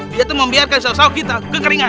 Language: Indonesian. dia itu membiarkan sasawa kita kekeringan